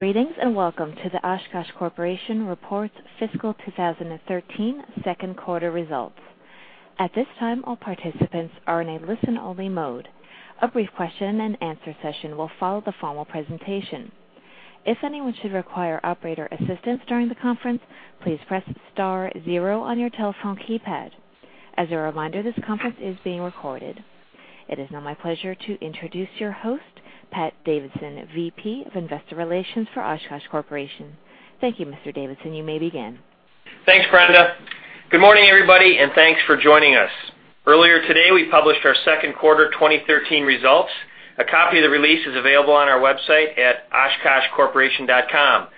Greetings, and welcome to the Oshkosh Corporation Reports Fiscal 2013 Second Quarter Results. At this time, all participants are in a listen-only mode. A brief question and answer session will follow the formal presentation. If anyone should require operator assistance during the conference, please press star zero on your telephone keypad. As a reminder, this conference is being recorded. It is now my pleasure to introduce your host, Pat Davidson, VP of Investor Relations for Oshkosh Corporation. Thank you, Mr. Davidson. You may begin. Thanks, Brenda. Good morning, everybody, and thanks for joining us. Earlier today, we published our second quarter 2013 results. A copy of the release is available on our website at oshkoshcorporation.com.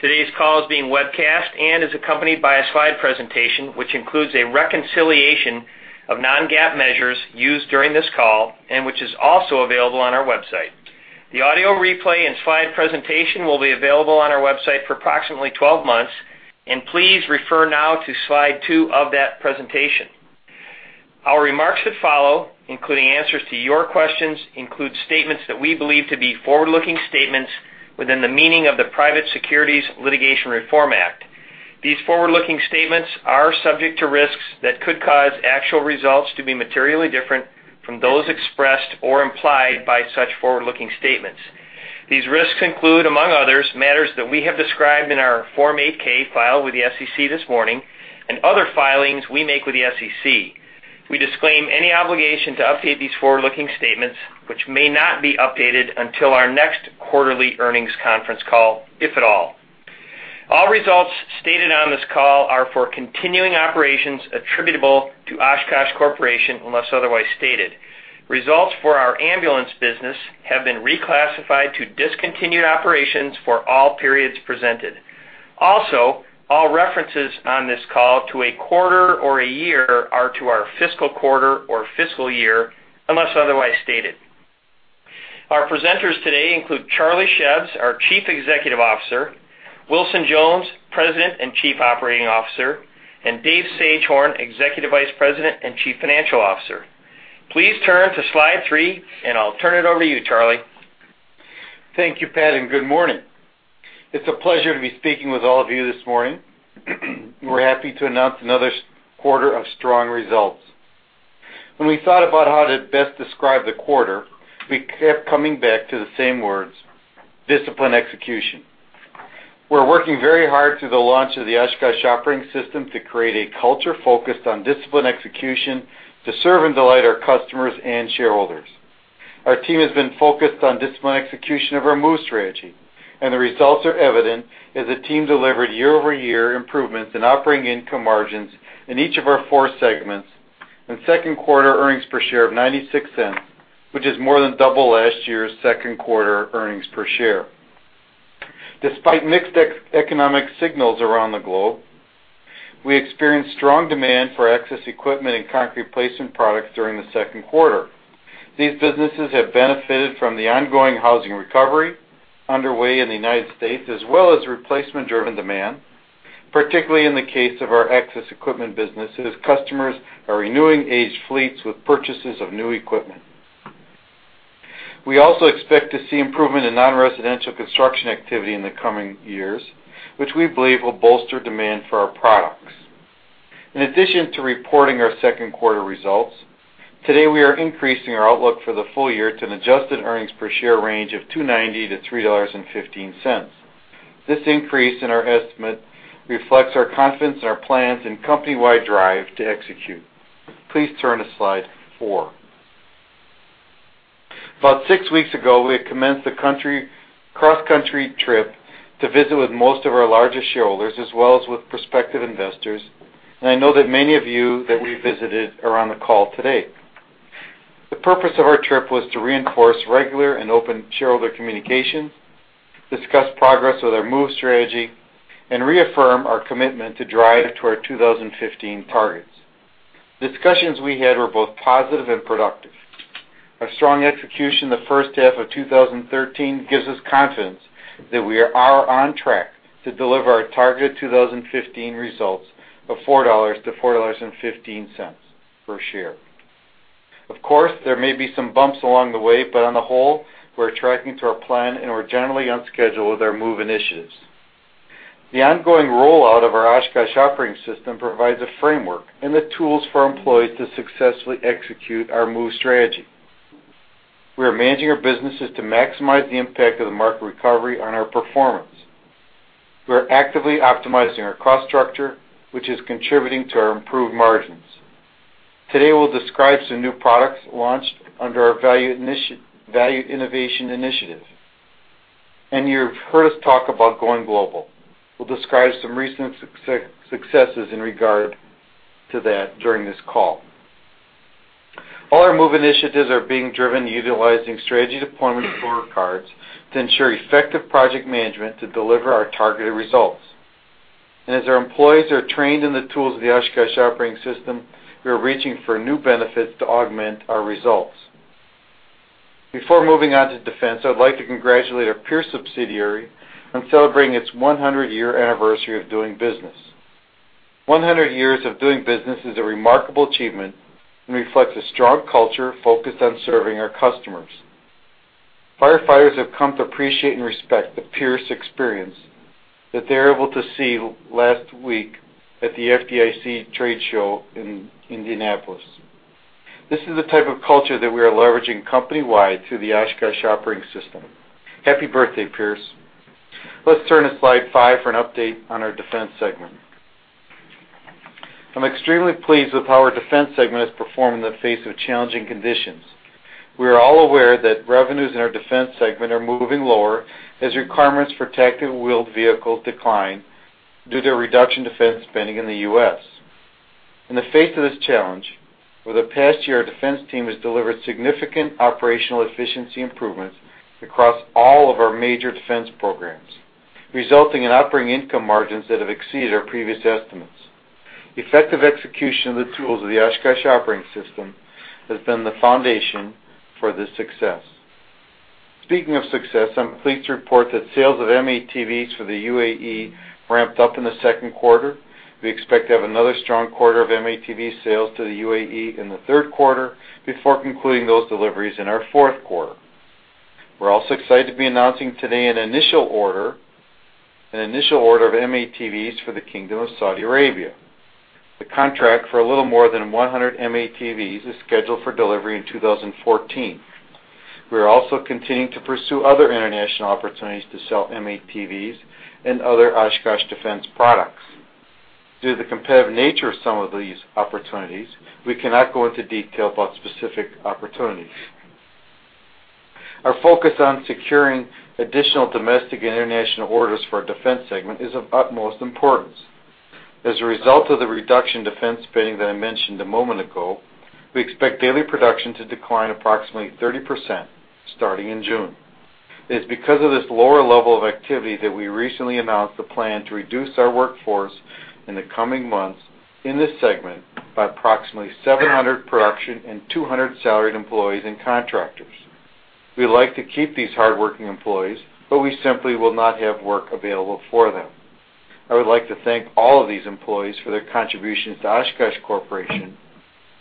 Today's call is being webcast and is accompanied by a slide presentation, which includes a reconciliation of non-GAAP measures used during this call and which is also available on our website. The audio replay and slide presentation will be available on our website for approximately 12 months, and please refer now to slide two of that presentation. Our remarks that follow, including answers to your questions, include statements that we believe to be forward-looking statements within the meaning of the Private Securities Litigation Reform Act. These forward-looking statements are subject to risks that could cause actual results to be materially different from those expressed or implied by such forward-looking statements. These risks include, among others, matters that we have described in our Form 8-K filed with the SEC this morning and other filings we make with the SEC. We disclaim any obligation to update these forward-looking statements, which may not be updated until our next quarterly earnings conference call, if at all. All results stated on this call are for continuing operations attributable to Oshkosh Corporation, unless otherwise stated. Results for our Ambulance business have been reclassified to discontinued operations for all periods presented. Also, all references on this call to a quarter or a year are to our fiscal quarter or fiscal year, unless otherwise stated. Our presenters today include Charles Szews, our Chief Executive Officer, Wilson Jones, President and Chief Operating Officer, and David Sagehorn, Executive Vice President and Chief Financial Officer. Please turn to slide three, and I'll turn it over to you, Charlie. Thank you, Pat, and good morning. It's a pleasure to be speaking with all of you this morning. We're happy to announce another second quarter of strong results. When we thought about how to best describe the quarter, we kept coming back to the same words: disciplined execution. We're working very hard through the launch of the Oshkosh Operating System to create a culture focused on disciplined execution to serve and delight our customers and shareholders. Our team has been focused on disciplined execution of our MOVE strategy, and the results are evident as the team delivered year-over-year improvements in operating income margins in each of our four segments, and second quarter earnings per share of $0.96, which is more than double last year's second quarter earnings per share. Despite mixed economic signals around the globe, we experienced strong demand for access equipment and concrete placement products during the second quarter. These businesses have benefited from the ongoing housing recovery underway in the United States, as well as replacement-driven demand, particularly in the case of our access equipment business, as customers are renewing aged fleets with purchases of new equipment. We also expect to see improvement in non-residential construction activity in the coming years, which we believe will bolster demand for our products. In addition to reporting our second quarter results, today, we are increasing our outlook for the full year to an adjusted earnings per share range of $2.90-$3.15. This increase in our estimate reflects our confidence in our plans and company-wide drive to execute. Please turn to slide four. About six weeks ago, we had commenced a cross-country trip to visit with most of our largest shareholders, as well as with prospective investors, and I know that many of you that we visited are on the call today. The purpose of our trip was to reinforce regular and open shareholder communication, discuss progress with our MOVE strategy, and reaffirm our commitment to drive toward our 2015 targets. Discussions we had were both positive and productive. Our strong execution in the first half of 2013 gives us confidence that we are on track to deliver our targeted 2015 results of $4-$4.15 per share. Of course, there may be some bumps along the way, but on the whole, we're tracking to our plan, and we're generally on schedule with our MOVE initiatives. The ongoing rollout of our Oshkosh Operating System provides a framework and the tools for our employees to successfully execute our MOVE strategy. We are managing our businesses to maximize the impact of the market recovery on our performance. We are actively optimizing our cost structure, which is contributing to our improved margins. Today, we'll describe some new products launched under our Value Innovation Initiative. And you've heard us talk about going global. We'll describe some recent successes in regard to that during this call. All our MOVE initiatives are being driven utilizing strategy deployment scorecards to ensure effective project management to deliver our targeted results. And as our employees are trained in the tools of the Oshkosh Operating System, we are reaching for new benefits to augment our results. Before moving on toDefense, I'd like to congratulate our Pierce subsidiary on celebrating its 100-year anniversary of doing business. 100 years of doing business is a remarkable achievement and reflects a strong culture focused on serving our customers. Firefighters have come to appreciate and respect the Pierce experience that they were able to see last week at the FDIC trade show in Indianapolis. This is the type of culture that we are leveraging company-wide through the Oshkosh Operating System. Happy birthday, Pierce! Let's turn to slide five for an update on our Defense segment. I'm extremely pleased with how our Defense segment has performed in the face of challenging conditions. We are all aware that revenues in our Defense segment are moving lower as requirements for protected wheeled vehicles decline due to reduction in Defense spending in the U.S.. In the face of this challenge, for the past year, our Defense team has delivered significant operational efficiency improvements across all of our major Defense programs, resulting in operating income margins that have exceeded our previous estimates. Effective execution of the tools of the Oshkosh Operating System has been the foundation for this success. Speaking of success, I'm pleased to report that sales of M-ATVs for the UAE ramped up in the second quarter. We expect to have another strong quarter of M-ATV sales to the UAE in the third quarter before concluding those deliveries in our fourth quarter. We're also excited to be announcing today an initial order, an initial order of M-ATVs for the Kingdom of Saudi Arabia. The contract for a little more than 100 M-ATVs is scheduled for delivery in 2014. We are also continuing to pursue other international opportunities to sell M-ATVs and other Oshkosh Defense products. Due to the competitive nature of some of these opportunities, we cannot go into detail about specific opportunities. Our focus on securing additional domestic and international orders for our Defense segment is of utmost importance. As a result of the reduction in Defense spending that I mentioned a moment ago, we expect daily production to decline approximately 30% starting in June. It's because of this lower level of activity that we recently announced the plan to reduce our workforce in the coming months in this segment by approximately 700 production and 200 salaried employees and contractors. We'd like to keep these hardworking employees, but we simply will not have work available for them. I would like to thank all of these employees for their contributions to Oshkosh Corporation,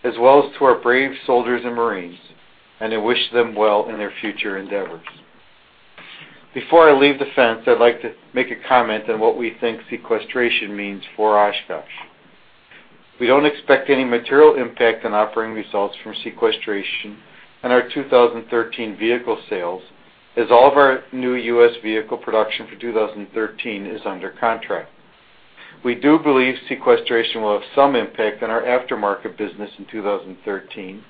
as well as to our brave soldiers and marines, and I wish them well in their future endeavors. Before I leave Defense, I'd like to make a comment on what we think sequestration means for Oshkosh. We don't expect any material impact on operating results from sequestration on our 2013 vehicle sales, as all of our new U.S. vehicle production for 2013 is under contract. We do believe sequestration will have some impact on our aftermarket business in 2013,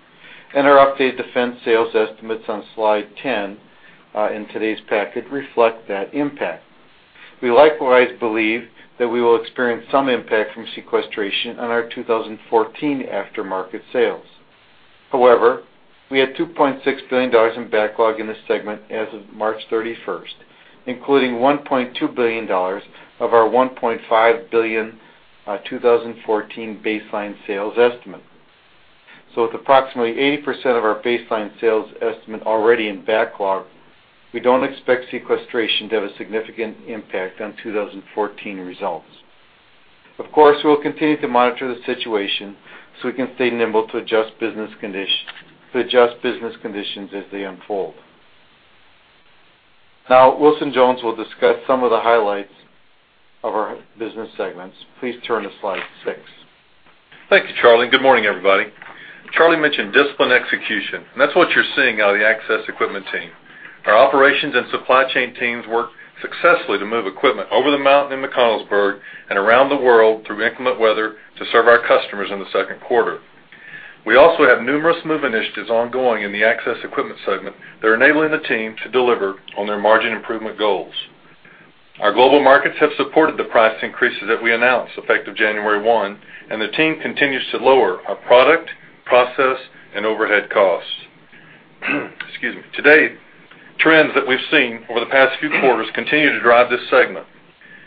and our updated Defense sales estimates on slide 10 in today's packet reflect that impact. We likewise believe that we will experience some impact from sequestration on our 2014 aftermarket sales. However, we had $2.6 billion in backlog in this segment as of March 31st, including $1.2 billion of our $1.5 billion, 2014 baseline sales estimate. So with approximately 80% of our baseline sales estimate already in backlog, we don't expect sequestration to have a significant impact on 2014 results. Of course, we'll continue to monitor the situation so we can stay nimble to adjust business conditions, to adjust business conditions as they unfold. Now, Wilson Jones will discuss some of the highlights of our business segments. Please turn to slide six. Thank you, Charlie. Good morning, everybody. Charlie mentioned disciplined execution, and that's what you're seeing out of the Access Equipment team. Our operations and supply chain teams worked successfully to move equipment over the mountain in McConnellsburg and around the world through inclement weather to serve our customers in the second quarter. We also have numerous move initiatives ongoing in the Access Equipment segment that are enabling the team to deliver on their margin improvement goals. Our global markets have supported the price increases that we announced, effective January one, and the team continues to lower our product, process, and overhead costs. Excuse me. Today, trends that we've seen over the past few quarters continue to drive this segment.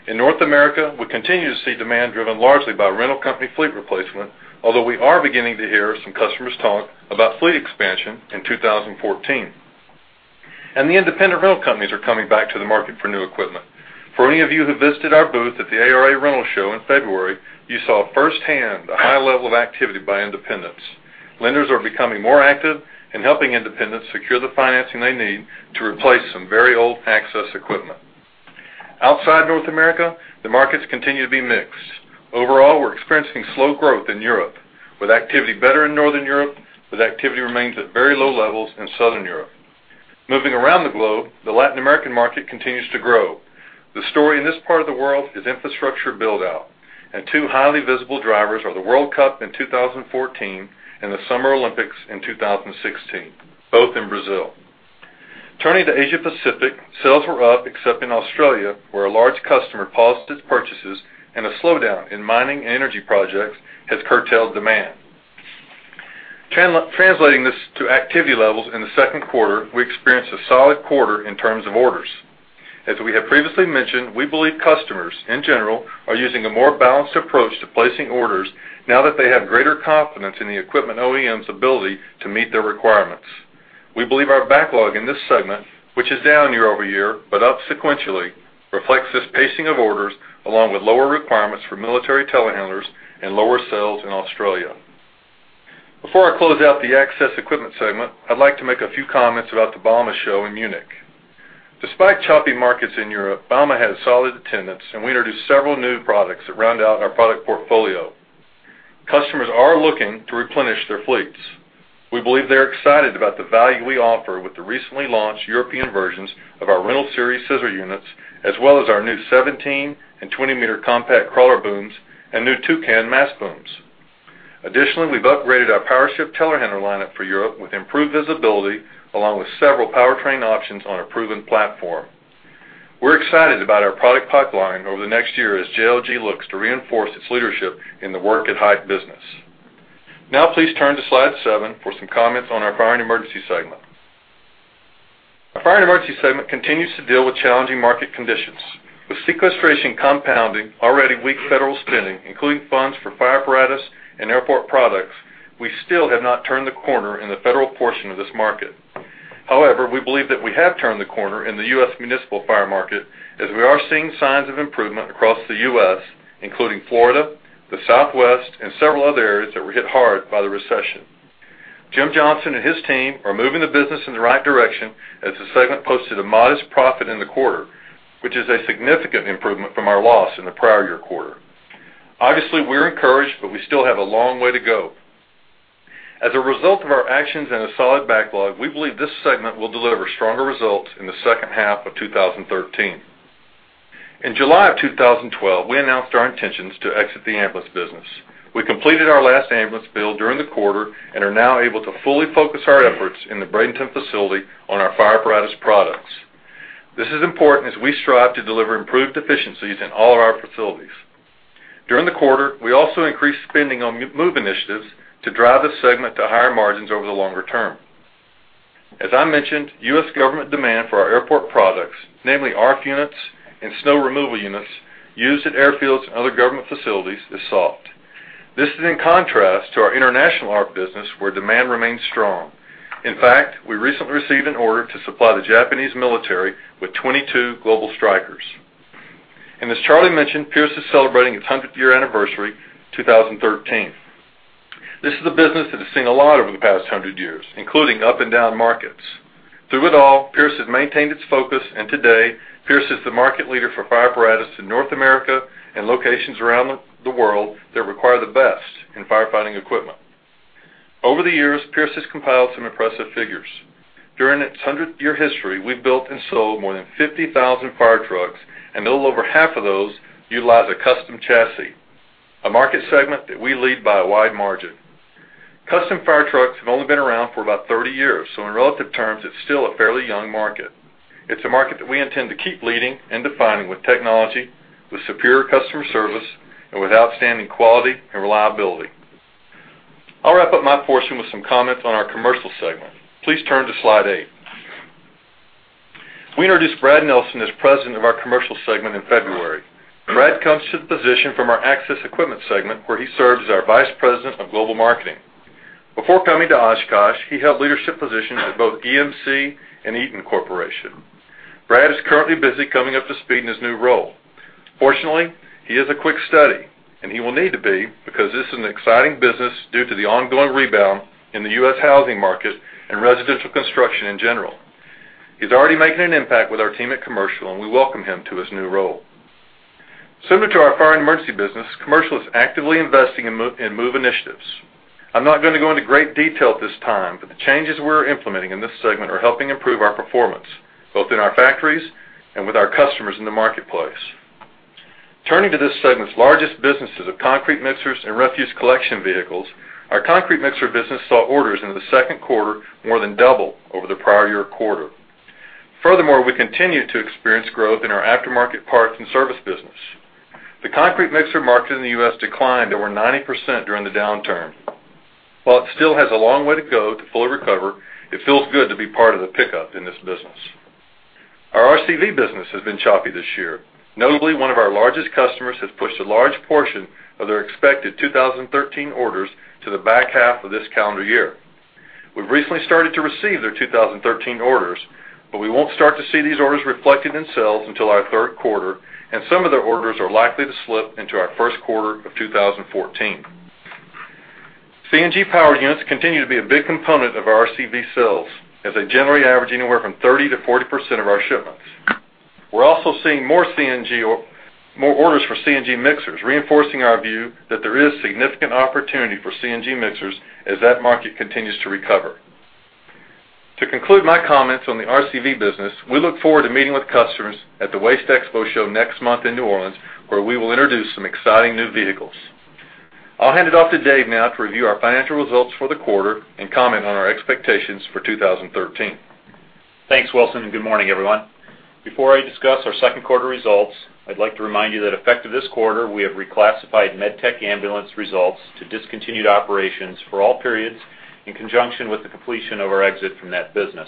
In North America, we continue to see demand driven largely by rental company fleet replacement, although we are beginning to hear some customers talk about fleet expansion in 2014. The independent rental companies are coming back to the market for new equipment. For any of you who visited our booth at the ARA Rental Show in February, you saw firsthand the high level of activity by independents. Lenders are becoming more active in helping independents secure the financing they need to replace some very old access equipment. Outside North America, the markets continue to be mixed. Overall, we're experiencing slow growth in Europe, with activity better in Northern Europe, but activity remains at very low levels in Southern Europe. Moving around the globe, the Latin American market continues to grow. The story in this part of the world is infrastructure build-out, and two highly visible drivers are the World Cup in 2014 and the Summer Olympics in 2016, both in Brazil. Turning to Asia Pacific, sales were up, except in Australia, where a large customer paused its purchases and a slowdown in mining and energy projects has curtailed demand. Translating this to activity levels in the second quarter, we experienced a solid quarter in terms of orders. As we have previously mentioned, we believe customers, in general, are using a more balanced approach to placing orders now that they have greater confidence in the equipment OEM's ability to meet their requirements.... We believe our backlog in this segment, which is down year-over-year but up sequentially, reflects this pacing of orders, along with lower requirements for military telehandlers and lower sales in Australia. Before I close out the Access Equipment segment, I'd like to make a few comments about the Bauma show in Munich. Despite choppy markets in Europe, Bauma had a solid attendance, and we introduced several new products that round out our product portfolio. Customers are looking to replenish their fleets. We believe they're excited about the value we offer with the recently launched European versions of our Rental Series Scissor Units, as well as our new 17- and 20-meter Compact Crawler Booms and new Toucan Mast Booms. Additionally, we've upgraded our Powershift telehandler lineup for Europe with improved visibility, along with several powertrain options on a proven platform. We're excited about our product pipeline over the next year as JLG looks to reinforce its leadership in the work at height business. Now, please turn to slide seven for some comments on our Fire and Emergency segment. Our Fire and Emergency segment continues to deal with challenging market conditions. With sequestration compounding already weak federal spending, including funds for fire apparatus and airport products, we still have not turned the corner in the federal portion of this market. However, we believe that we have turned the corner in the U.S. municipal fire market, as we are seeing signs of improvement across the U.S., including Florida, the Southwest, and several other areas that were hit hard by the recession. Jim Johnson and his team are moving the business in the right direction, as the segment posted a modest profit in the quarter, which is a significant improvement from our loss in the prior year quarter. Obviously, we're encouraged, but we still have a long way to go. As a result of our actions and a solid backlog, we believe this segment will deliver stronger results in the second half of 2013. In July of 2012, we announced our intentions to exit the Ambulance business. We completed our last ambulance build during the quarter and are now able to fully focus our efforts in the Bradenton facility on our fire apparatus products. This is important as we strive to deliver improved efficiencies in all of our facilities. During the quarter, we also increased spending on MOVE initiatives to drive this segment to higher margins over the longer term. As I mentioned, U.S. government demand for our airport products, namely ARFF units and snow removal units used at airfields and other government facilities, is soft. This is in contrast to our international ARFF business, where demand remains strong. In fact, we recently received an order to supply the Japanese military with 22 Global Strikers. As Charlie mentioned, Pierce is celebrating its 100th-year anniversary, 2013. This is a business that has seen a lot over the past 100 years, including up and down markets. Through it all, Pierce has maintained its focus, and today, Pierce is the market leader for fire apparatus in North America and locations around the world that require the best in firefighting equipment. Over the years, Pierce has compiled some impressive figures. During its 100-year history, we've built and sold more than 50,000 fire trucks, and a little over half of those utilize a custom chassis, a market segment that we lead by a wide margin. Custom fire trucks have only been around for about 30 years, so in relative terms, it's still a fairly young market. It's a market that we intend to keep leading and defining with technology, with superior customer service, and with outstanding quality and reliability. I'll wrap up my portion with some comments on our Commercial segment. Please turn to slide eight. We introduced Brad Nelson as President of our Commercial segment in February. Brad comes to the position from our Access Equipment segment, where he served as our Vice President of Global Marketing. Before coming to Oshkosh, he held leadership positions at both EMC and Eaton Corporation. Brad is currently busy coming up to speed in his new role. Fortunately, he is a quick study, and he will need to be because this is an exciting business due to the ongoing rebound in the U.S. housing market and residential construction in general. He's already making an impact with our team at Commercial, and we welcome him to his new role. Similar to our Fire and Emergency business, Commercial is actively investing in Move initiatives. I'm not going to go into great detail at this time, but the changes we're implementing in this segment are helping improve our performance, both in our factories and with our customers in the marketplace. Turning to this segment's largest businesses of concrete mixers and refuse collection vehicles, our concrete mixer business saw orders in the second quarter more than double over the prior year quarter. Furthermore, we continue to experience growth in our aftermarket parts and service business. The concrete mixer market in the U.S. declined over 90% during the downturn. While it still has a long way to go to fully recover, it feels good to be part of the pickup in this business. Our RCV business has been choppy this year. Notably, one of our largest customers has pushed a large portion of their expected 2013 orders to the back half of this calendar year. We've recently started to receive their 2013 orders, but we won't start to see these orders reflected in sales until our third quarter, and some of their orders are likely to slip into our first quarter of 2014. CNG-powered units continue to be a big component of our RCV sales, as they generally average anywhere from 30%-40% of our shipments. We're also seeing more orders for CNG mixers, reinforcing our view that there is significant opportunity for CNG mixers as that market continues to recover. To conclude my comments on the RCV business, we look forward to meeting with customers at the Waste Expo show next month in New Orleans, where we will introduce some exciting new vehicles. I'll hand it off to Dave now to review our financial results for the quarter and comment on our expectations for 2013. Thanks, Wilson, and good morning, everyone. Before I discuss our second quarter results, I'd like to remind you that effective this quarter, we have reclassified Medtec Ambulance results to discontinued operations for all periods in conjunction with the completion of our exit from that business.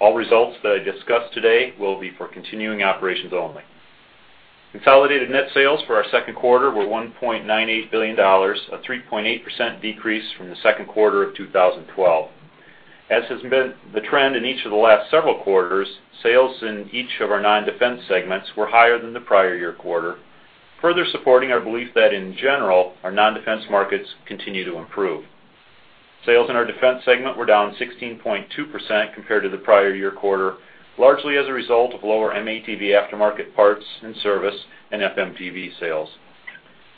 All results that I discuss today will be for continuing operations only. Consolidated net sales for our second quarter were $1.98 billion, a 3.8% decrease from the second quarter of 2012. As has been the trend in each of the last several quarters, sales in each of our non-Defense segments were higher than the prior year quarter, further supporting our belief that, in general, our non-defense markets continue to improve. Sales in our Defense segment were down 16.2% compared to the prior year quarter, largely as a result of lower M-ATV aftermarket parts and service and FMTV sales.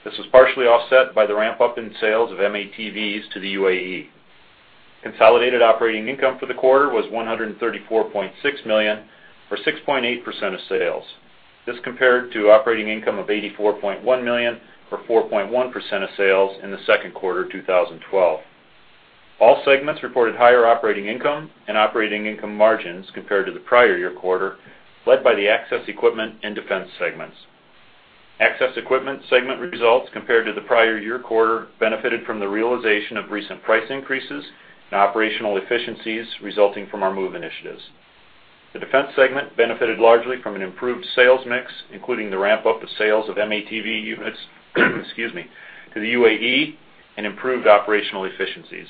This was partially offset by the ramp-up in sales of M-ATVs to the UAE. Consolidated operating income for the quarter was $134.6 million, or 6.8% of sales. This compared to operating income of $84.1 million, or 4.1% of sales, in the second quarter of 2012. All segments reported higher operating income and operating income margins compared to the prior year quarter, led by the access equipment andDefense segments. Access equipment segment results compared to the prior year quarter benefited from the realization of recent price increases and operational efficiencies resulting from our MOVE initiatives. The Defense segment benefited largely from an improved sales mix, including the ramp-up of sales of M-ATV units, excuse me, to the UAE, and improved operational efficiencies.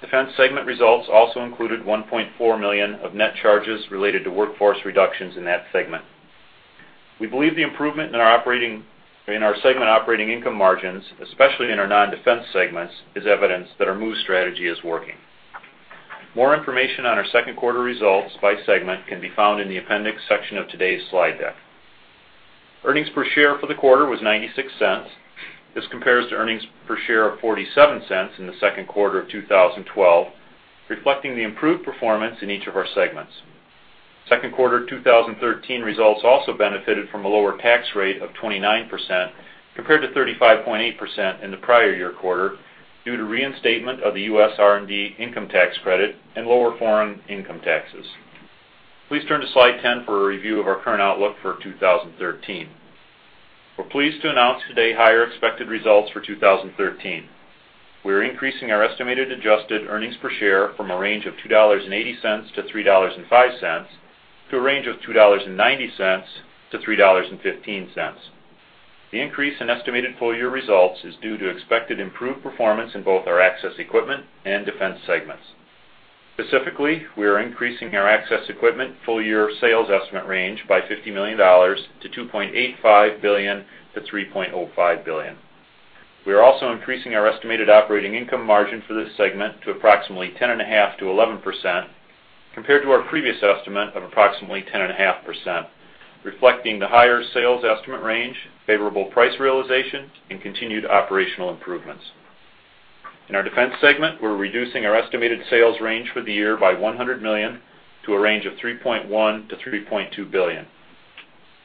Defense segment results also included $1.4 million of net charges related to workforce reductions in that segment. We believe the improvement in our segment operating income margins, especially in our non-Defense segments, is evidence that our MOVE strategy is working. More information on our second quarter results by segment can be found in the Appendix section of today's slide deck. Earnings per share for the quarter was $0.96. This compares to earnings per share of $0.47 in the second quarter of 2012, reflecting the improved performance in each of our segments. Second quarter 2013 results also benefited from a lower tax rate of 29%, compared to 35.8% in the prior year quarter, due to reinstatement of the U.S. R&D income tax credit and lower foreign income taxes. Please turn to slide 10 for a review of our current outlook for 2013. We're pleased to announce today higher expected results for 2013. We are increasing our estimated adjusted earnings per share from a range of $2.80-$3.05 to a range of $2.90-$3.15. The increase in estimated full-year results is due to expected improved performance in both our access equipment and Defense segments. Specifically, we are increasing our access equipment full-year sales estimate range by $50 million to $2.85 billion-$3.05 billion. We are also increasing our estimated operating income margin for this segment to approximately 10.5%-11%, compared to our previous estimate of approximately 10.5%, reflecting the higher sales estimate range, favorable price realization, and continued operational improvements. In ourDefense segment, we're reducing our estimated sales range for the year by $100 million to a range of $3.1 billion-$3.2 billion.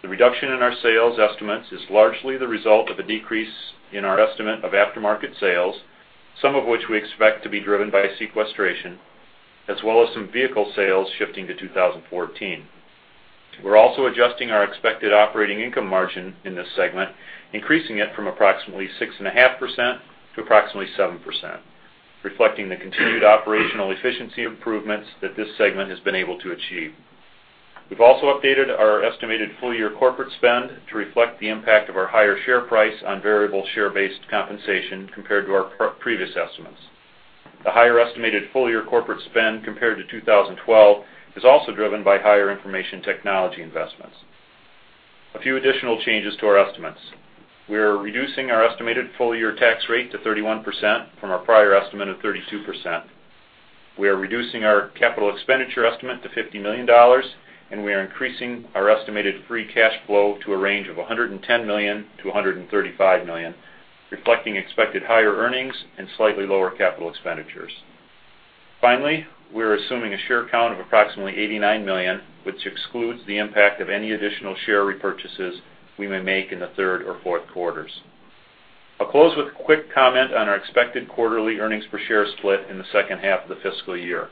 The reduction in our sales estimates is largely the result of a decrease in our estimate of aftermarket sales, some of which we expect to be driven by sequestration, as well as some vehicle sales shifting to 2014. We're also adjusting our expected operating income margin in this segment, increasing it from approximately 6.5% to approximately 7%, reflecting the continued operational efficiency improvements that this segment has been able to achieve. We've also updated our estimated full-year corporate spend to reflect the impact of our higher share price on variable share-based compensation compared to our pre-previous estimates. The higher estimated full-year corporate spend compared to 2012 is also driven by higher information technology investments. A few additional changes to our estimates. We are reducing our estimated full-year tax rate to 31% from our prior estimate of 32%. We are reducing our capital expenditure estimate to $50 million, and we are increasing our estimated free cash flow to a range of $110 million-$135 million, reflecting expected higher earnings and slightly lower capital expenditures. Finally, we're assuming a share count of approximately 89 million, which excludes the impact of any additional share repurchases we may make in the third or fourth quarters. I'll close with a quick comment on our expected quarterly earnings per share split in the second half of the fiscal year.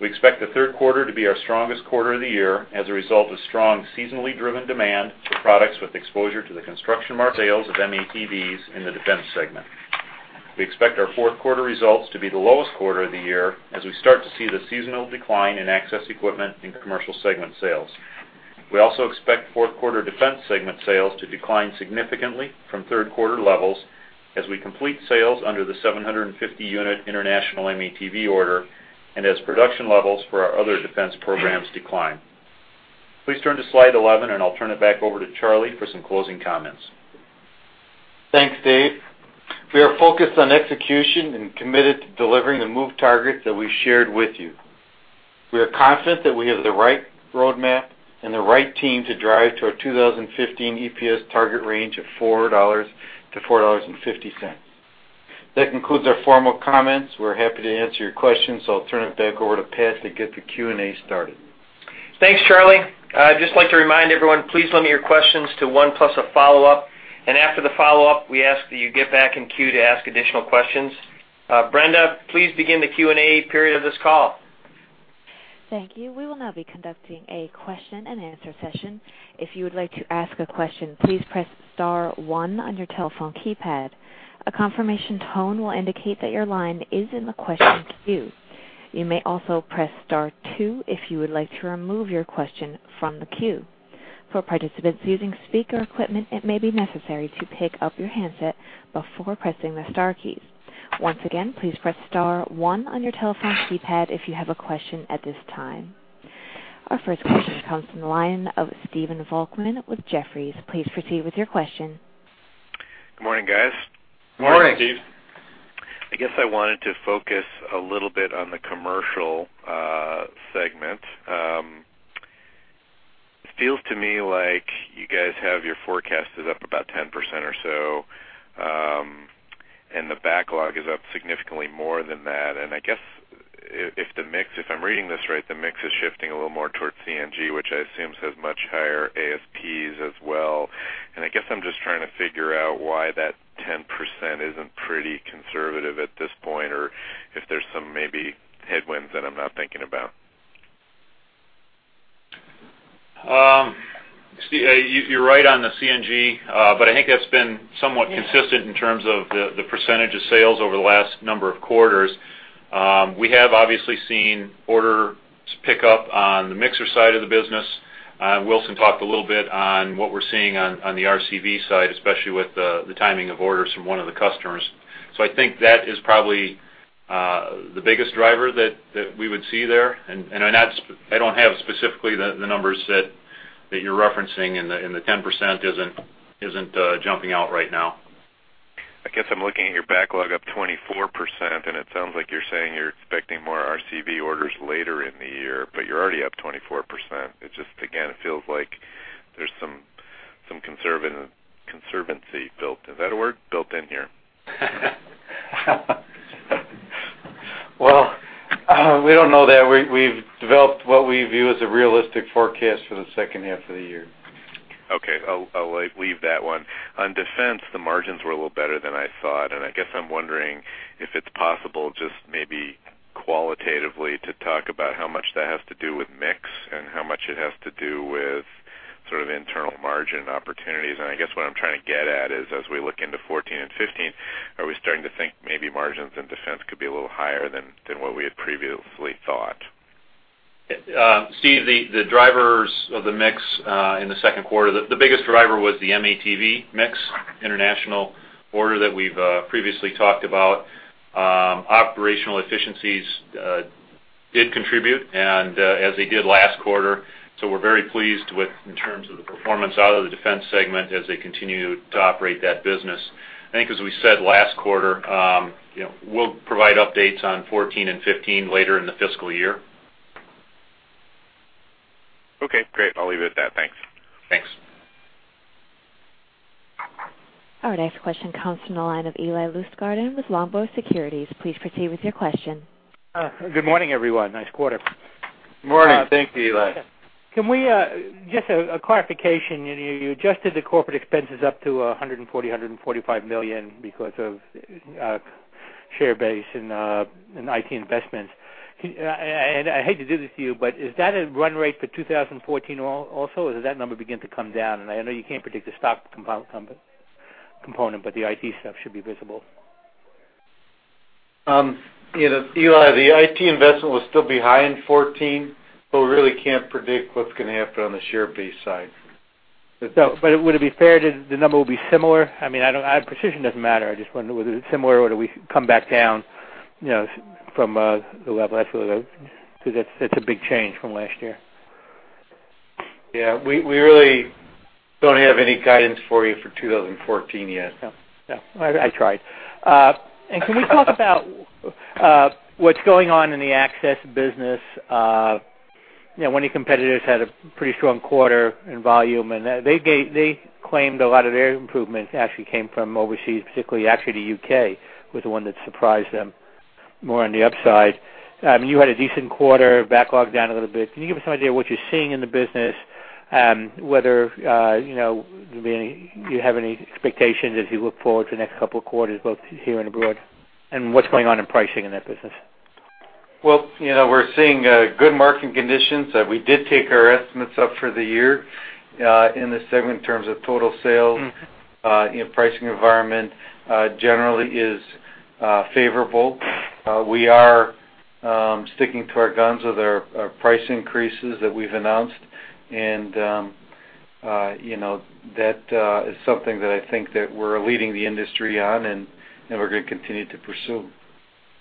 We expect the third quarter to be our strongest quarter of the year as a result of strong seasonally driven demand for products with exposure to the construction market and sales of M-ATVs in the Defense segment. We expect our fourth quarter results to be the lowest quarter of the year as we start to see the seasonal decline in access equipment and commercial segment sales. We also expect fourth quarter Defense segment sales to decline significantly from third quarter levels as we complete sales under the 750-unit international M-ATV order and as production levels for our other Defense programs decline. Please turn to slide 11, and I'll turn it back over to Charlie for some closing comments. Thanks, Dave. We are focused on execution and committed to delivering the MOVE targets that we shared with you. We are confident that we have the right roadmap and the right team to drive to our 2015 EPS target range of $4-$4.50. That concludes our formal comments. We're happy to answer your questions, so I'll turn it back over to Pat to get the Q&A started. Thanks, Charlie. I'd just like to remind everyone, please limit your questions to one plus a follow-up, and after the follow-up, we ask that you get back in queue to ask additional questions. Brenda, please begin the Q&A period of this call. Thank you. We will now be conducting a question-and-answer session. If you would like to ask a question, please press star one on your telephone keypad. A confirmation tone will indicate that your line is in the question queue.... You may also press star two if you would like to remove your question from the queue. For participants using speaker equipment, it may be necessary to pick up your handset before pressing the star keys. Once again, please press star one on your telephone keypad if you have a question at this time. Our first question comes from the line of Stephen Volkmann with Jefferies. Please proceed with your question. Good morning, guys. Good morning, Steve. I guess I wanted to focus a little bit on the commercial segment. It feels to me like you guys have your forecast is up about 10% or so, and the backlog is up significantly more than that. And I guess if the mix, if I'm reading this right, the mix is shifting a little more towards CNG, which I assume has much higher ASPs as well. And I guess I'm just trying to figure out why that 10% isn't pretty conservative at this point, or if there's some maybe headwinds that I'm not thinking about. Steve, you're right on the CNG, but I think that's been somewhat consistent- Yeah In terms of the % of sales over the last number of quarters. We have obviously seen orders pick up on the mixer side of the business. Wilson talked a little bit on what we're seeing on the RCV side, especially with the timing of orders from one of the customers. So I think that is probably the biggest driver that we would see there. And I'm not... I don't have specifically the numbers that you're referencing, and the 10% isn't jumping out right now. I guess I'm looking at your backlog up 24%, and it sounds like you're saying you're expecting more RCV orders later in the year, but you're already up 24%. It just, again, it feels like there's some conservatism built in here. Well, we don't know that. We, we've developed what we view as a realistic forecast for the second half of the year. Okay. I'll, like, leave that one. On Defense, the margins were a little better than I thought, and I guess I'm wondering if it's possible, just maybe qualitatively, to talk about how much that has to do with mix and how much it has to do with sort of internal margin opportunities. And I guess what I'm trying to get at is, as we look into 2014 and 2015, are we starting to think maybe margins in Defense could be a little higher than what we had previously thought? Steve, the drivers of the mix in the second quarter, the biggest driver was the M-ATV mix, international order that we've previously talked about. Operational efficiencies did contribute, and as they did last quarter, so we're very pleased with in terms of the performance out of the Defense segment as they continue to operate that business. I think, as we said last quarter, you know, we'll provide updates on 14 and 15 later in the fiscal year. Okay, great. I'll leave it at that. Thanks. Thanks. Our next question comes from the line of Eli Lustgarten with Longbow Securities. Please proceed with your question. Good morning, everyone. Nice quarter. Good morning. Thank you, Eli. Can we just a clarification. You adjusted the corporate expenses up to $140, $145 million because of share base and IT investments. Can—and I hate to do this to you, but is that a run rate for 2014 also, or does that number begin to come down? And I know you can't predict the stock component, but the IT stuff should be visible. You know, Eli, the IT investment will still be high in 2014, but we really can't predict what's gonna happen on the share base side. But, but would it be fair to the number will be similar? I mean, I don't, precision doesn't matter. I just wonder whether it's similar or do we come back down, you know, from the level? That's a little, because that's a big change from last year. Yeah, we really don't have any guidance for you for 2014 yet. Yeah. Yeah, I, I tried. And can we talk about what's going on in the access business? You know, one of your competitors had a pretty strong quarter in volume, and they gave, they claimed a lot of their improvements actually came from overseas, particularly actually, the U.K. was the one that surprised them more on the upside. You had a decent quarter, backlog down a little bit. Can you give us an idea of what you're seeing in the business, whether you know, maybe you have any expectations as you look forward to the next couple of quarters, both here and abroad, and what's going on in pricing in that business? Well, you know, we're seeing good market conditions. We did take our estimates up for the year, in this segment in terms of total sales. Mm-hmm. You know, pricing environment generally is favorable. We are sticking to our guns with our price increases that we've announced, and, you know, that is something that I think that we're leading the industry on, and we're gonna continue to pursue.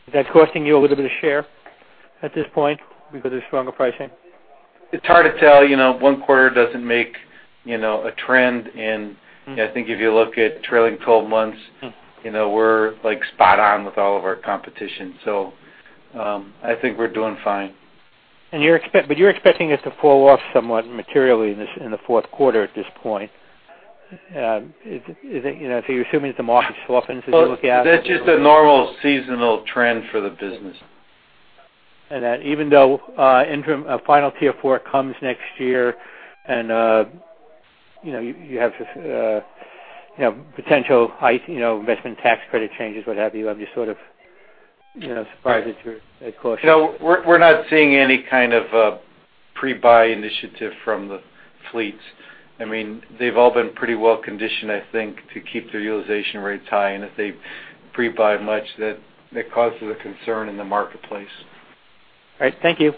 Is that costing you a little bit of share at this point because of stronger pricing? It's hard to tell. You know, one quarter doesn't make, you know, a trend. Mm. I think if you look at trailing 12 months- Mm You know, we're like spot on with all of our competition. So, I think we're doing fine. You're expecting it to fall off somewhat materially in the fourth quarter at this point. You know, so you're assuming that the market softens as you look out? That's just a normal seasonal trend for the business. And that even though interim final Tier 4 comes next year and, you know, you, you have, you know, potential headwinds, you know, investment tax credit changes, what have you, I'm just sort of, you know, surprised that you're cautious. No, we're, we're not seeing any kind of pre-buy initiative from the fleets. I mean, they've all been pretty well conditioned, I think, to keep their utilization rates high, and if they pre-buy much, that, that causes a concern in the marketplace. All right. Thank you.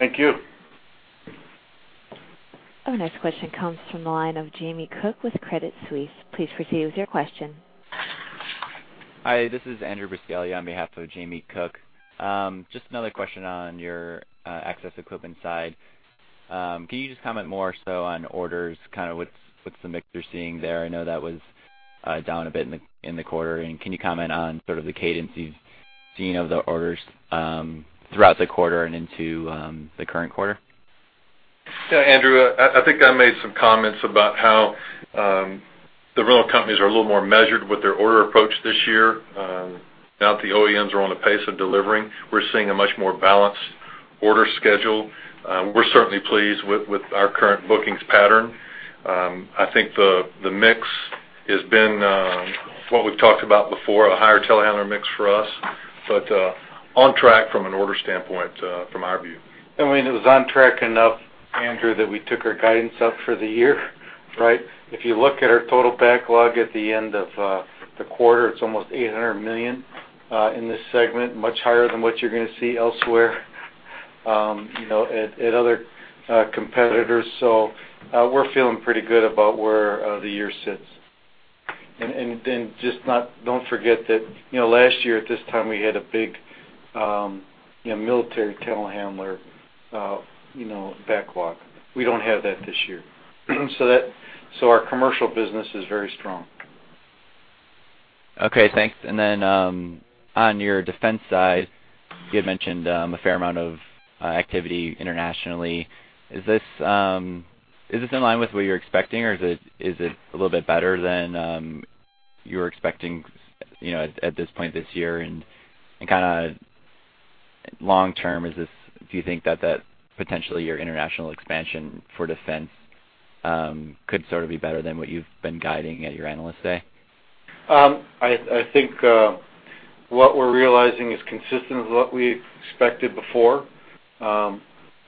Thank you. Our next question comes from the line of Jamie Cook with Credit Suisse. Please proceed with your question. Hi, this is Andrew Garthwaite on behalf of Jamie Cook. Just another question on your access equipment side. Can you just comment more so on orders, kind of what's the mix you're seeing there? I know that was down a bit in the quarter. Can you comment on sort of the cadence you're seeing of the orders throughout the quarter and into the current quarter? Yeah, Andrew, I think I made some comments about how the rental companies are a little more measured with their order approach this year. Now that the OEMs are on the pace of delivering, we're seeing a much more balanced order schedule. We're certainly pleased with our current bookings pattern. I think the mix has been what we've talked about before, a higher telehandler mix for us, but on track from an order standpoint, from our view. And, I mean, it was on track enough, Andrew, that we took our guidance up for the year. Right? If you look at our total backlog at the end of the quarter, it's almost $800 million in this segment, much higher than what you're gonna see elsewhere, you know, at other competitors. So, we're feeling pretty good about where the year sits. And then just don't forget that, you know, last year at this time, we had a big, you know, military telehandler, you know, backlog. We don't have that this year. So our commercial business is very strong. Okay, thanks. And then, on your Defense side, you had mentioned a fair amount of activity internationally. Is this, is this in line with what you're expecting, or is it, is it a little bit better than you were expecting, you know, at, at this point this year? And kinda long term, is this, do you think that that potentially your international expansion for Defense could sort of be better than what you've been guiding at your Analyst Day? I think what we're realizing is consistent with what we expected before.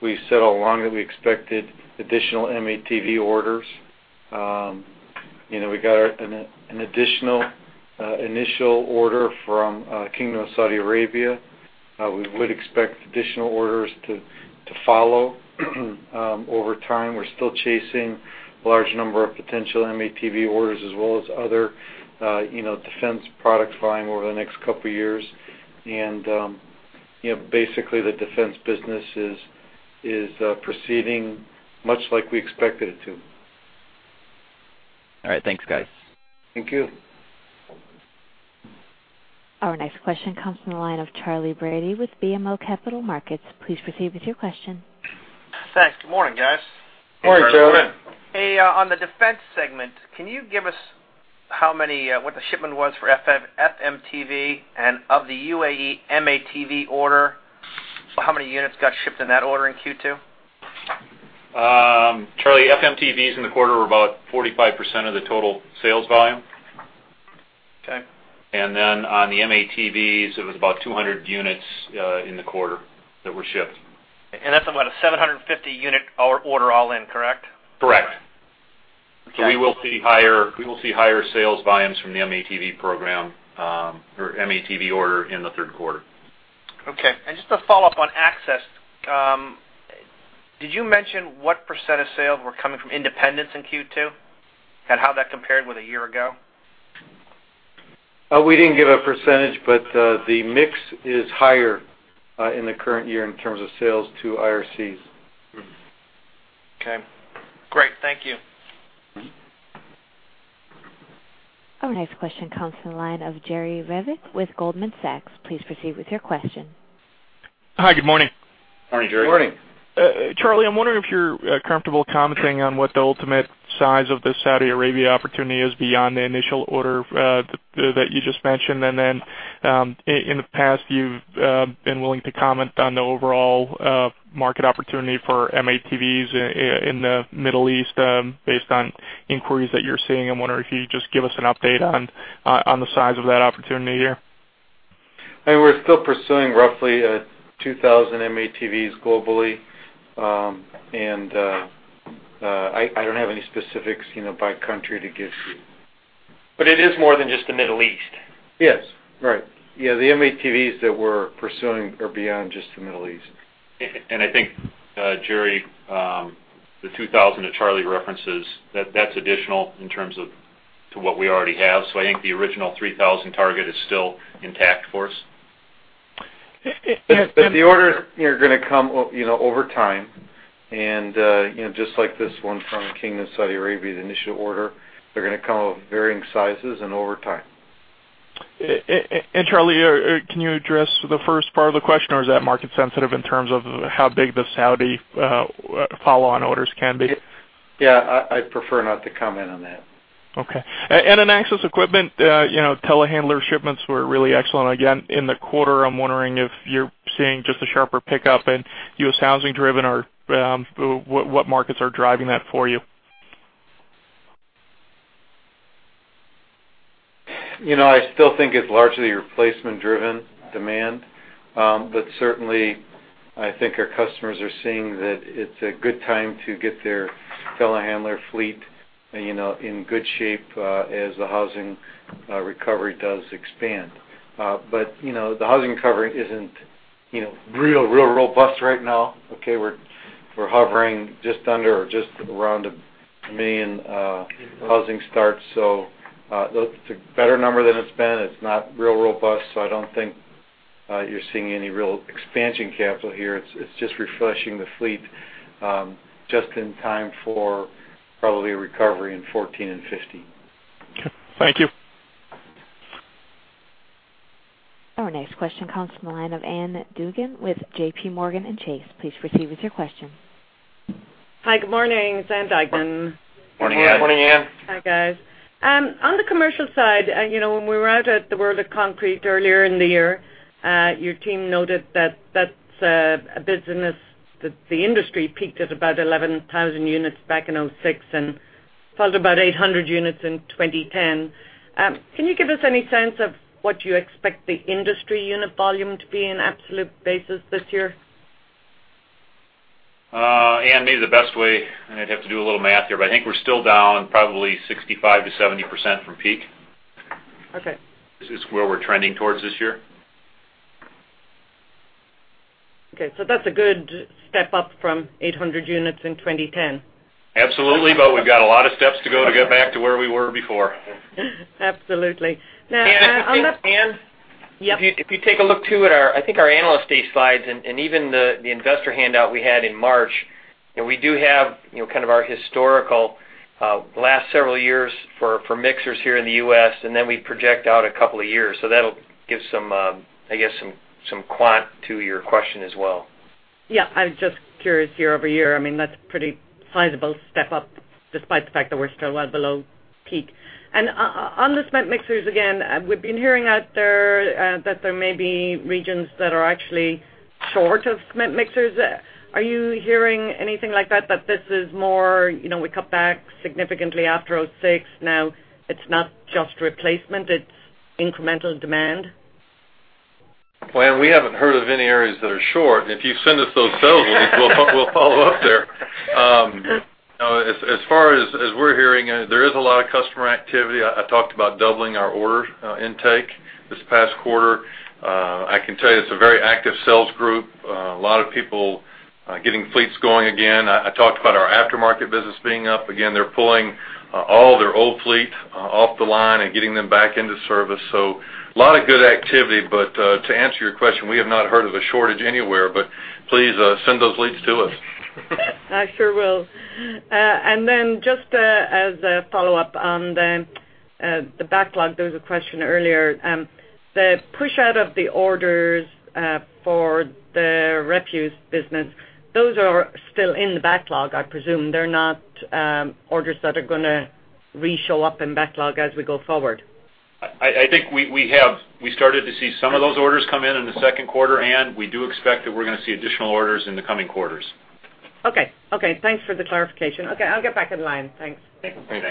We've said all along that we expected additional M-ATV orders. You know, we got an additional initial order from Kingdom of Saudi Arabia. We would expect additional orders to follow over time. We're still chasing a large number of potential M-ATV orders, as well as other, you know, Defense products volume over the next couple of years. And, you know, basically, the Defense business is proceeding much like we expected it to. All right. Thanks, guys. Thank you. Our next question comes from the line of Charley Brady with BMO Capital Markets. Please proceed with your question. Thanks. Good morning, guys. Good morning, Charley. Good morning. Hey, on the Defense segment, can you give us how many, what the shipment was for FMTV and of the UAE M-ATV order? So how many units got shipped in that order in Q2? Charlie, FMTVs in the quarter were about 45% of the total sales volume. Okay. On the M-ATVs, it was about 200 units in the quarter that were shipped. That's about a 750 unit order all in, correct? Correct. Okay. So we will see higher, we will see higher sales volumes from the M-ATV program, or M-ATV order in the third quarter. Okay. And just to follow up on access, did you mention what % of sales were coming from independents in Q2, and how that compared with a year ago? We didn't give a %, but the mix is higher in the current year in terms of sales to IRCs. Okay, great. Thank you. Our next question comes from the line of Jerry Revich with Goldman Sachs. Please proceed with your question. Hi, good morning. Morning, Jerry. Good morning. Charlie, I'm wondering if you're comfortable commenting on what the ultimate size of the Saudi Arabia opportunity is beyond the initial order, that you just mentioned. And then in the past, you've been willing to comment on the overall market opportunity for M-ATVs in the Middle East, based on inquiries that you're seeing. I'm wondering if you'd just give us an update on the size of that opportunity here. I mean, we're still pursuing roughly 2,000 M-ATVs globally. I don't have any specifics, you know, by country to give you. But it is more than just the Middle East? Yes. Right. Yeah, the M-ATVs that we're pursuing are beyond just the Middle East. I think, Jerry, the 2,000 that Charlie references, that's additional in terms of to what we already have. So I think the original 3,000 target is still intact for us. But the orders are gonna come—you know, over time. And, you know, just like this one from the Kingdom of Saudi Arabia, the initial order, they're gonna come of varying sizes and over time. Charlie, can you address the first part of the question, or is that market sensitive in terms of how big the Saudi follow-on orders can be? Yeah, I'd prefer not to comment on that. Okay. And in access equipment, you know, telehandler shipments were really excellent again in the quarter. I'm wondering if you're seeing just a sharper pickup in U.S. housing driven or, what, what markets are driving that for you?... You know, I still think it's largely replacement-driven demand. But certainly, I think our customers are seeing that it's a good time to get their telehandler fleet, you know, in good shape, as the housing recovery does expand. But, you know, the housing recovery isn't, you know, real, real robust right now, okay? We're, we're hovering just under or just around 1 million housing starts. So, it's a better number than it's been. It's not real robust, so I don't think you're seeing any real expansion capital here. It's just refreshing the fleet, just in time for probably a recovery in 2014 and 2015. Okay. Thank you. Our next question comes from the line of Ann Duignan with JPMorgan. Please proceed with your question. Hi, good morning, it's Ann Duignan. Morning, Anne. Morning, Anne. Hi, guys. On the commercial side, you know, when we were out at the World of Concrete earlier in the year, your team noted that that's a business that the industry peaked at about 11,000 units back in 2006 and fell to about 800 units in 2010. Can you give us any sense of what you expect the industry unit volume to be in absolute basis this year? Anne, maybe the best way, and I'd have to do a little math here, but I think we're still down probably 65%-70% from peak. Okay. This is where we're trending towards this year. Okay, so that's a good step up from 800 units in 2010? Absolutely, but we've got a lot of steps to go to get back to where we were before. Absolutely. Now, on that- Ann, if you- Ann? Yep. If you take a look, too, at our, I think, our Analyst Day slides and even the investor handout we had in March, and we do have, you know, kind of our historical last several years for mixers here in the U.S., and then we project out a couple of years. So that'll give some, I guess, some quant to your question as well. Yeah, I was just curious, year over year, I mean, that's pretty sizable step up despite the fact that we're still well below peak. And on the cement mixers again, we've been hearing out there that there may be regions that are actually short of cement mixers. Are you hearing anything like that, that this is more, you know, we cut back significantly after 2006, now it's not just replacement, it's incremental demand? Well, Ann, we haven't heard of any areas that are short. If you send us those sales leads, we'll follow up there. As far as we're hearing, there is a lot of customer activity. I talked about doubling our order intake this past quarter. I can tell you it's a very active sales group, a lot of people getting fleets going again. I talked about our aftermarket business being up. Again, they're pulling all their old fleet off the line and getting them back into service. So a lot of good activity, but to answer your question, we have not heard of a shortage anywhere, but please send those leads to us. I sure will. And then just, as a follow-up on the backlog, there was a question earlier. The push out of the orders for the refuse business, those are still in the backlog, I presume. They're not orders that are gonna reshow up in backlog as we go forward? I think we started to see some of those orders come in in the second quarter, Ann. We do expect that we're gonna see additional orders in the coming quarters. Okay. Okay, thanks for the clarification. Okay, I'll get back in line. Thanks. Okay, thanks.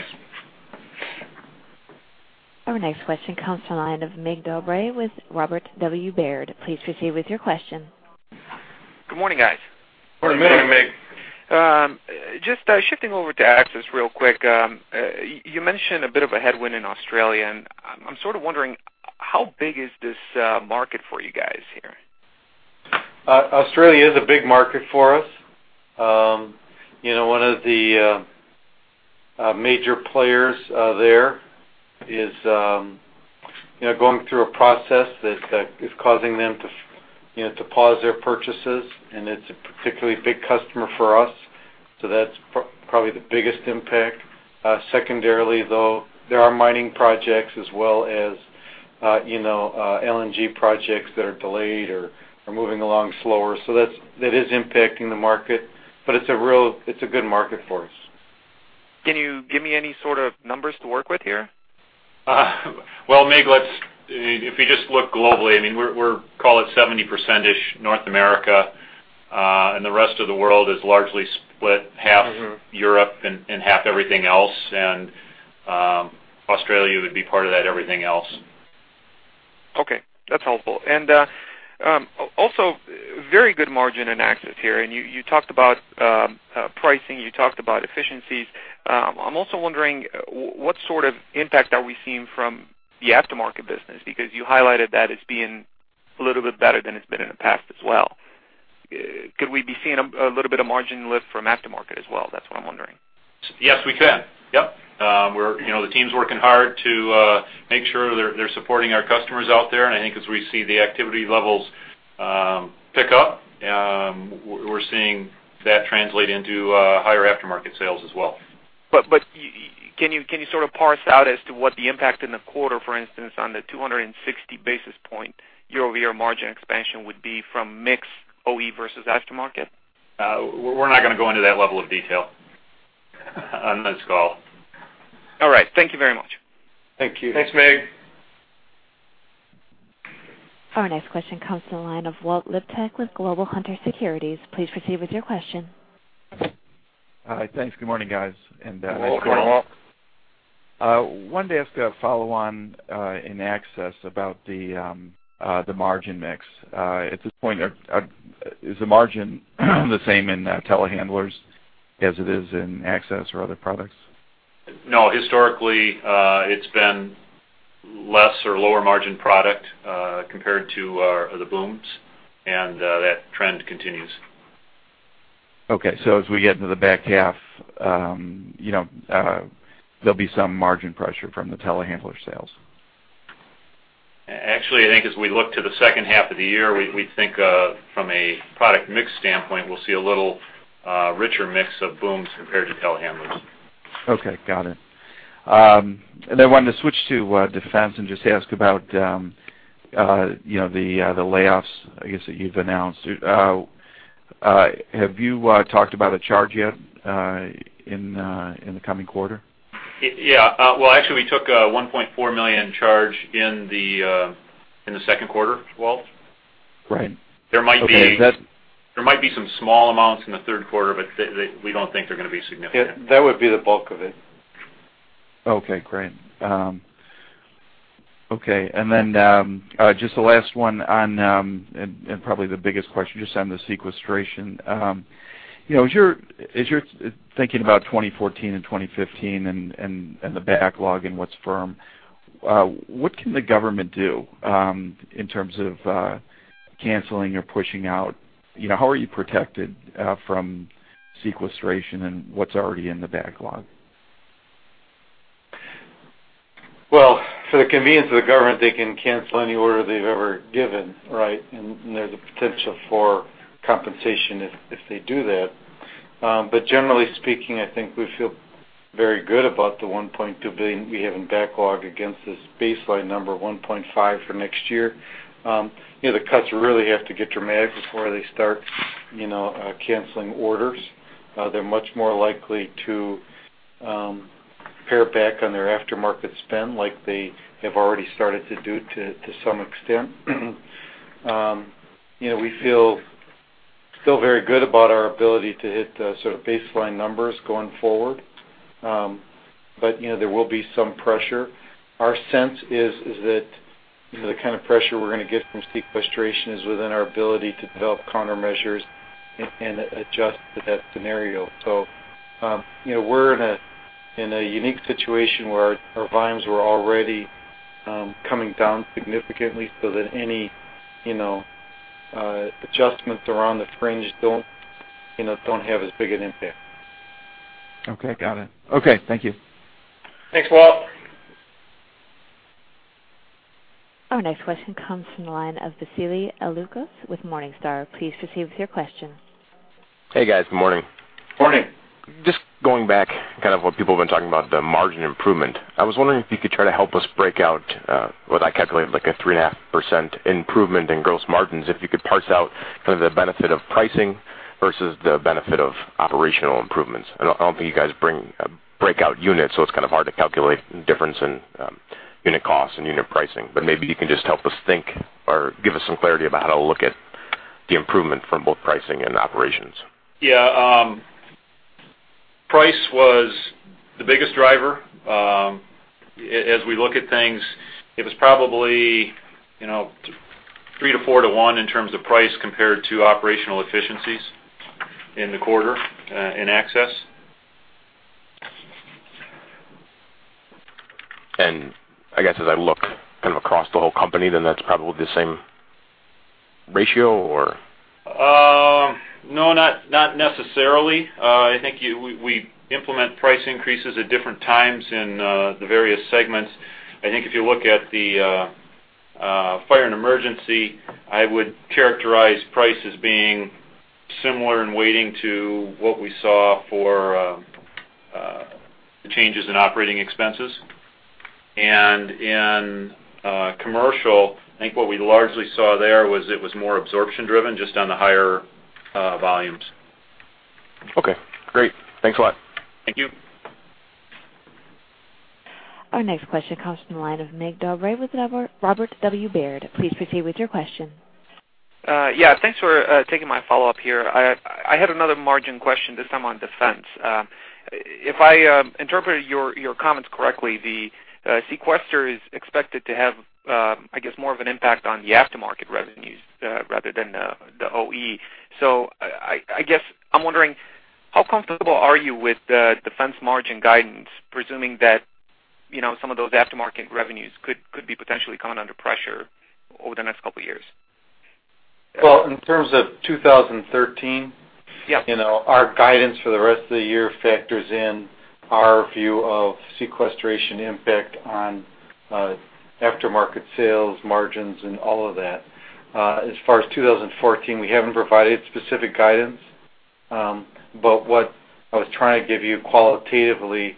Our next question comes from the line of Mircea Dobre with Robert W. Baird. Please proceed with your question. Good morning, guys. Morning, Mircea. Morning, Mircea. Just shifting over to Access real quick. You mentioned a bit of a headwind in Australia, and I'm sort of wondering, how big is this market for you guys here? Australia is a big market for us. You know, one of the major players there is going through a process that is causing them to you know to pause their purchases, and it's a particularly big customer for us, so that's probably the biggest impact. Secondarily, though, there are mining projects as well as you know LNG projects that are delayed or are moving along slower. So that is impacting the market, but it's a good market for us. Can you give me any sort of numbers to work with here? Well, Mig, let's... If you just look globally, I mean, we're, we're calling it 70%-ish North America, and the rest of the world is largely split, half- Mm-hmm... Europe and half everything else. Australia would be part of that everything else. Okay, that's helpful. And also, very good margin in Access here, and you talked about pricing, you talked about efficiencies. I'm also wondering, what sort of impact are we seeing from the aftermarket business? Because you highlighted that as being a little bit better than it's been in the past as well. Could we be seeing a little bit of margin lift from aftermarket as well? That's what I'm wondering. Yes, we could. Yep. You know, the team's working hard to make sure they're, they're supporting our customers out there, and I think as we see the activity levels pick up, we're seeing that translate into higher aftermarket sales as well. But can you sort of parse out as to what the impact in the quarter, for instance, on the 260 basis point year-over-year margin expansion would be from mix OE vs aftermarket? We're not gonna go into that level of detail on this call. All right. Thank you very much. Thank you. Thanks, Mig.... Our next question comes from the line of Walt Liptak with Global Hunter Securities. Please proceed with your question. Hi. Thanks. Good morning, guys, and- Good morning, Walt. Wanted to ask a follow-on in Access about the margin mix. At this point, is the margin the same in telehandlers as it is in Access or other products? No, historically, it's been less or lower margin product compared to the booms, and that trend continues. Okay, so as we get into the back half, you know, there'll be some margin pressure from the telehandler sales. Actually, I think as we look to the second half of the year, we think, from a product mix standpoint, we'll see a little richer mix of booms compared to telehandlers. Okay, got it. And then wanted to switch to Defense and just ask about, you know, the layoffs, I guess, that you've announced. Have you talked about a charge yet, in the coming quarter? Yeah. Well, actually, we took a $1.4 million charge in the second quarter, Walt. Right. There might be- Okay, is that- There might be some small amounts in the third quarter, but they, we don't think they're gonna be significant. Yeah, that would be the bulk of it. Okay, great. Okay, and then, just the last one on, and probably the biggest question, just on the sequestration. You know, as you're thinking about 2014 and 2015 and the backlog and what's firm, what can the government do, in terms of, canceling or pushing out? You know, how are you protected, from sequestration and what's already in the backlog? Well, for the convenience of the government, they can cancel any order they've ever given, right? And there's a potential for compensation if they do that. But generally speaking, I think we feel very good about the $1.2 billion we have in backlog against this baseline number of $1.5 billion for next year. You know, the cuts really have to get dramatic before they start canceling orders. They're much more likely to pare back on their aftermarket spend, like they have already started to do to some extent. You know, we feel still very good about our ability to hit the sort of baseline numbers going forward. But you know, there will be some pressure. Our sense is that the kind of pressure we're gonna get from sequestration is within our ability to develop countermeasures and adjust to that scenario. So, you know, we're in a unique situation where our volumes were already coming down significantly so that any, you know, adjustments around the fringe don't, you know, don't have as big an impact. Okay, got it. Okay, thank you. Thanks, Walt. Our next question comes from the line of Basili Alukos with Morningstar. Please proceed with your question. Hey, guys. Good morning. Morning! Just going back, kind of what people have been talking about, the margin improvement. I was wondering if you could try to help us break out what I calculated, like a 3.5% improvement in gross margins, if you could parse out kind of the benefit of pricing vs the benefit of operational improvements. I don't think you guys bring breakout units, so it's kind of hard to calculate the difference in unit costs and unit pricing. Maybe you can just help us think or give us some clarity about how to look at the improvement from both pricing and operations. Yeah, price was the biggest driver. As we look at things, it was probably, you know, three-to-four-to-one in terms of price compared to operational efficiencies in the quarter, in Access. I guess, as I look kind of across the whole company, then that's probably the same ratio, or? No, not necessarily. I think we implement price increases at different times in the various segments. I think if you look at the fire and emergency, I would characterize price as being similar in weighting to what we saw for the changes in operating expenses. And in commercial, I think what we largely saw there was it was more absorption-driven, just on the higher volumes. Okay, great. Thanks a lot. Thank you. Our next question comes from the line of Mircea Dobre with Robert W. Baird. Please proceed with your question. Yeah, thanks for taking my follow-up here. I had another margin question, this time on Defense. If I interpreted your comments correctly, the sequester is expected to have, I guess, more of an impact on the aftermarket revenues rather than the OEM. So I guess I'm wondering, how comfortable are you with the Defense margin guidance, presuming that, you know, some of those aftermarket revenues could be potentially coming under pressure over the next couple of years? Well, in terms of 2013- Yeah... you know, our guidance for the rest of the year factors in our view of sequestration impact on aftermarket sales, margins, and all of that. As far as 2014, we haven't provided specific guidance, but what I was trying to give you qualitatively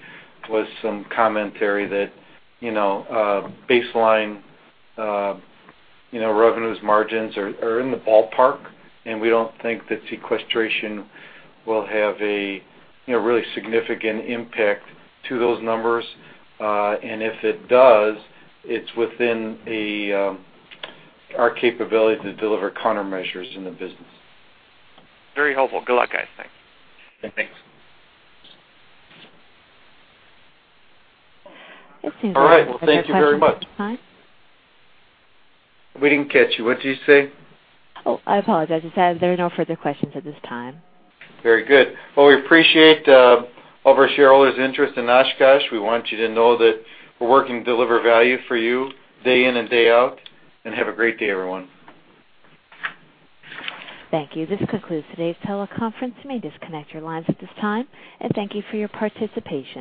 was some commentary that, you know, baseline, you know, revenues, margins are in the ballpark, and we don't think that sequestration will have a really significant impact to those numbers. And if it does, it's within our capability to deliver countermeasures in the business. Very helpful. Good luck, guys. Thanks. Yeah, thanks. It seems- All right. Well, thank you very much. Fine. We didn't catch you. What did you say? Oh, I apologize. I just said there are no further questions at this time. Very good. Well, we appreciate all of our shareholders' interest in Oshkosh. We want you to know that we're working to deliver value for you day in and day out, and have a great day, everyone. Thank you. This concludes today's teleconference. You may disconnect your lines at this time, and thank you for your participation.